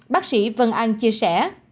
bác sĩ vân anh chia sẻ